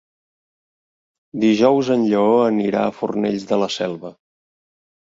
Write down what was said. Dijous en Lleó anirà a Fornells de la Selva.